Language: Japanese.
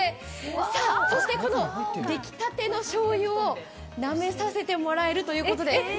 さぁ、そしてこの出来たてのしょうゆをなめさせてもらえるということで。